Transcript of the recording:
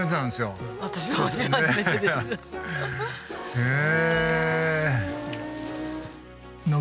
へえ。